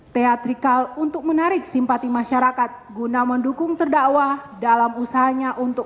teatrikal untuk menarik simpati masyarakat guna mendukung terdakwa dalam usahanya untuk